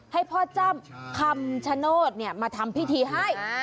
ให้พ่อจ้ำคำชโนธมาทำพิธีให้